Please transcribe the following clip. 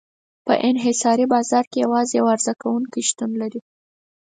په انحصاري بازار کې یوازې یو عرضه کوونکی شتون لري.